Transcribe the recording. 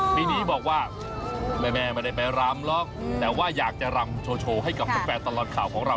ปีนี้บอกว่าแม่ไม่ได้ไปรำหรอกแต่ว่าอยากจะรำโชว์ให้กับแฟนตลอดข่าวของเรา